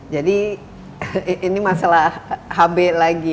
jadi ini masalah hb lagi ya